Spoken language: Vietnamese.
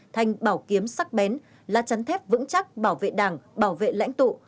thành bảo kiếm sắc bén lá chắn thép vững chắc bảo vệ đảng bảo vệ lãnh tụ